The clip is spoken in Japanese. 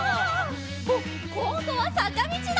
こんどはさかみちだ！